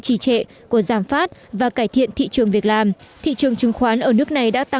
trì trệ của giảm phát và cải thiện thị trường việc làm thị trường chứng khoán ở nước này đã tăng